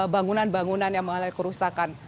bangunan bangunan yang mengalami kerusakan